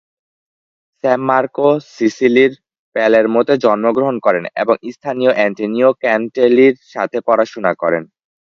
স্যামমারকো সিসিলির পালেরমোতে জন্মগ্রহণ করেন এবং স্থানীয় অ্যান্টোনিও ক্যান্টেলির সাথে পড়াশোনা করেন।